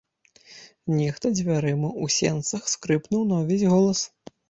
Нехта дзвярыма ў сенцах скрыпнуў на ўвесь голас.